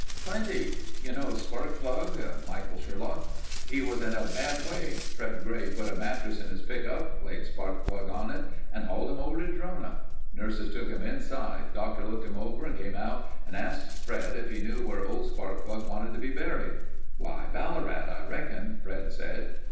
"Plenty. You know Sparkplug (Michael Sherlock)? He was in a bad way. Fred Gray put a mattress in his pickup, laid Sparkplug on it and hauled him over to Trona. Nurses took him inside. Doctor looked him over and came out and asked Fred if he knew where old Sparkplug wanted to be buried. 'Why, Ballarat, I reckon,' Fred said.